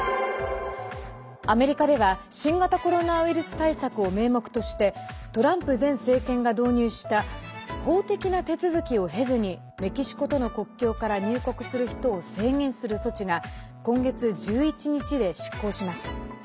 アメリカでは新型コロナウイルス対策を名目としてトランプ前政権が導入した法的な手続きを経ずにメキシコとの国境から入国する人を制限する措置が今月１１日で失効します。